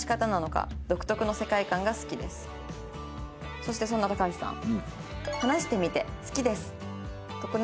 そしてそんな高橋さん。